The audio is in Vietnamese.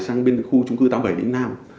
sang bên khu trung cư tám mươi bảy đến nam